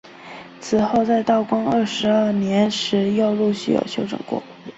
此后在道光二十二年时又陆续有整修过。